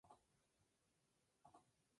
Su base principal es el Aeropuerto Bob Hope.